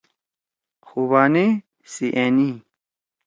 خوبانی سی أنی۔